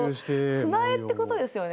砂絵ってことですよね？